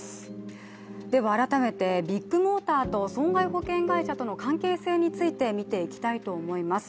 改めてビッグモーターと損害保険会社との関係性について見ていきたいと思います。